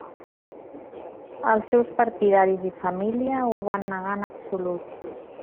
Els seus partidaris i família ho van negar en absolut.